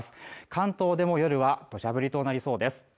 関東でも夜は土砂降りとなりそうです